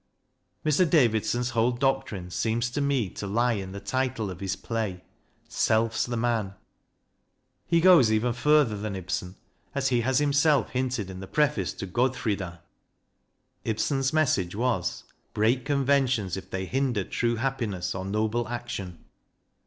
Mr. Davidson's whole doctrine seems to me to lie in the title of his play " Self's the Man." He goes even further than Ibsen, as he has JOHN DAVIDSON: REALIST 203 himself hinted in the preface to " Godfrida." Ibsen's message was " Break conventions if they hinder true happiness or noble action."